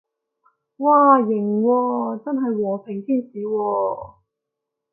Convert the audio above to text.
嘩，型喎，真係和平天使喎